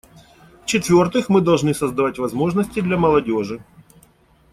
В-четвертых, мы должны создавать возможности для молодежи.